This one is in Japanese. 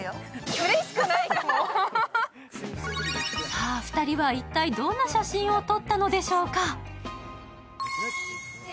さあ、２人は一体どんな写真を撮ったのでしょうか？